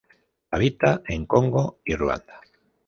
Habita en Congo y Ruanda.